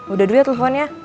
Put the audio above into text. udah dulu ya telfonnya